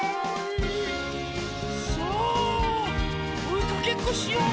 さあおいかけっこしよう！